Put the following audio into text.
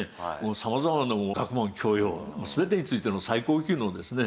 様々な学問教養全てについての最高級のですね